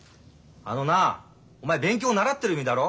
あのなお前勉強習ってる身だろ？